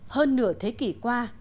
hơn nửa thế kỷ qua